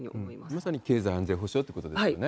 まさに経済安全保障っていうことですよね。